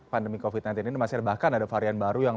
pandemi covid sembilan belas ini masih bahkan ada varian baru yang